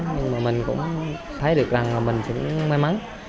nhưng mà mình cũng thấy được rằng là mình cũng may mắn